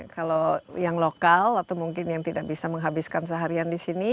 kalau yang lokal atau mungkin yang tidak bisa menghabiskan seharian di sini